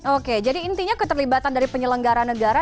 oke jadi intinya keterlibatan dari penyelenggara negara